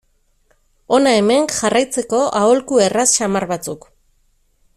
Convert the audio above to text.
Hona hemen jarraitzeko aholku erraz samar batzuk.